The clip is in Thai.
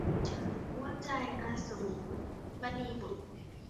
หัวใจอสูร - มณีบุษย์